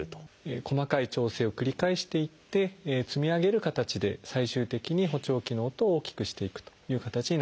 細かい調整を繰り返していって積み上げる形で最終的に補聴器の音を大きくしていくという形になります。